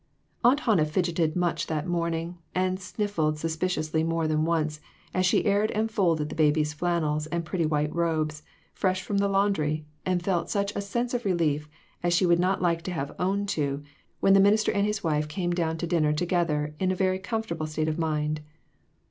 Aunt Hannah fidgeted much that morning and sniffed suspiciously more than once, as she aired and folded the baby's flannels and pretty white robes, fresh from the laundry, and felt such a sense of relief, as she would not like to have owned to, when the minister and his wife came down to dinner together in a very comfortable state of mind.